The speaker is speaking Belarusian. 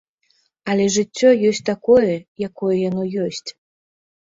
Але жыццё ёсць такое, якое яно ёсць.